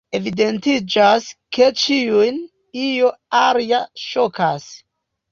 Evidentiĝas, ke ĉiun io alia ŝokas.